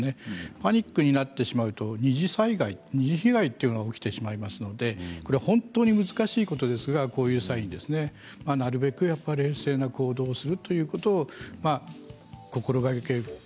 パニックになってしまうと二次災害、二次被害というのが起きてしまいますのでこれは本当に難しいことですがこういう際になるべく冷静な行動をするということを心をかけること。